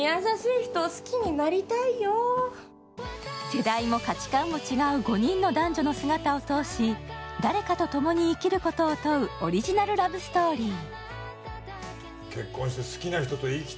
世代も価値観も違う５人の男女の姿を通し誰かとともに生きることを問うオリジナルラブストーリー。